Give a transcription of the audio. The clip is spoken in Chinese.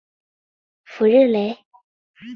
弗热雷。